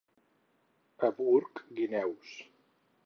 A Burg, guineus.